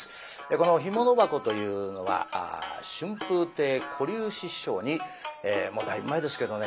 この「干物箱」というのは春風亭小柳枝師匠にだいぶ前ですけどね